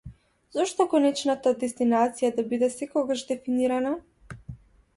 Зошто конечната дестинација да биде секогаш дефинирана?